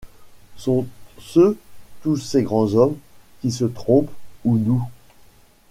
Sont-ce tous ces grands hommes qui se trompent ou nous ?